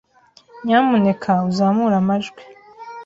Nyamuneka uzamure amajwi.